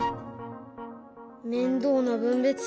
面倒な分別。